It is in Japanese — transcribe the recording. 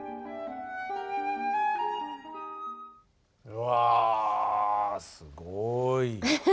うわすごい。